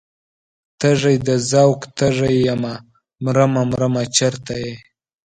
تږی د ذوق تږی یمه مرمه مرمه چرته یې؟